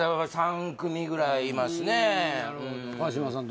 ３組ぐらいいますね川島さん